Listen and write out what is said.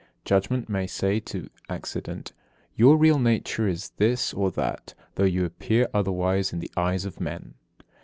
Judgment may say to accident: "Your real nature is this or that, though you appear otherwise in the eyes of men."